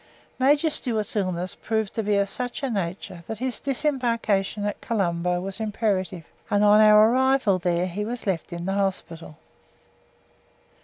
Major Stewart's illness proved to be of such a nature that his disembarkation at Colombo was imperative, and on our arrival there he was left in the hospital.